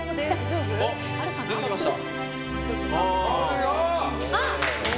出てきました。